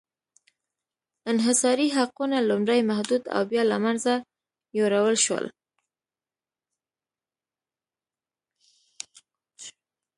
انحصاري حقونه لومړی محدود او بیا له منځه یووړل شول.